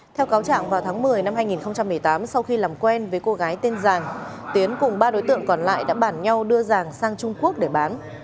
theo cáo trạng vào tháng một mươi năm hai nghìn một mươi tám sau khi làm quen với cô gái tên giàng tiến cùng ba đối tượng còn lại đã bản nhau đưa giàng sang trung quốc để bán